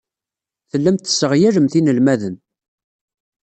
Tellamt tesseɣyalemt inelmaden.